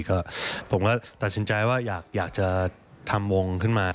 ก็ผมก็ตัดสินใจว่าอยากจะทำวงขึ้นมา